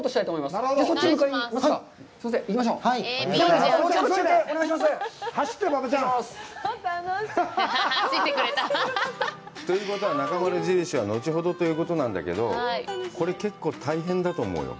すいません、行きましょう。ということは、「なかまる印は後ほどということなんだけど、これ結構大変だと思うよ。